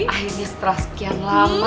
akhirnya setelah sekian lama